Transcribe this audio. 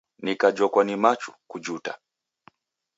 Nikajhokwa ni machu, kujuta!